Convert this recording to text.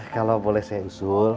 kalau boleh saya usul